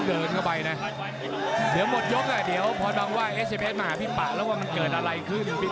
เดินเข้าไปนะเดี๋ยวหมดยกอ่ะเดี๋ยวพรบังว่าเอสเซเบสมาหาพี่ปะแล้วว่ามันเกิดอะไรขึ้น